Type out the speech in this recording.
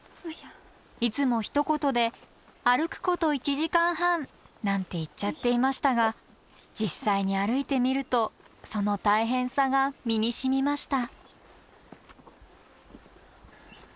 いつもひと言で「歩くこと１時間半」なんて言っちゃっていましたが実際に歩いてみるとその大変さが身にしみました